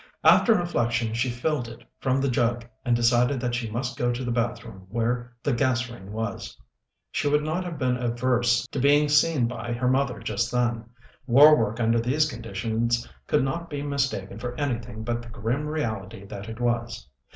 After reflection, she filled it from the jug, and decided that she must go to the bathroom where the gas ring was. She would not have been averse to being seen by her mother just then. War work under these conditions could not be mistaken for anything but the grim reality that it was.